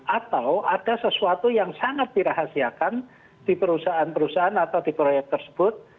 atau ada sesuatu yang sangat dirahasiakan di perusahaan perusahaan atau di proyek tersebut